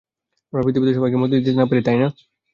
আমরা পৃথিবীর সবাইকে মরতে তো দিতে পারি না, তাই না?